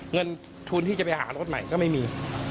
เงินทุนที่จะไปหารถใหม่ก็ไม่มี